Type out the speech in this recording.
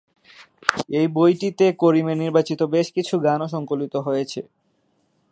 এ বইটিতে করিমের নির্বাচিত বেশ কিছু গানও সংকলিত হয়েছে।